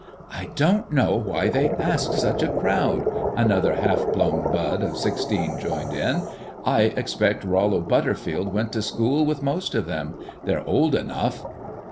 "I don't know why they ask such a crowd," another half blown bud of sixteen joined in. "I expect Rollo Butterfield went to school with most of them they're old enough."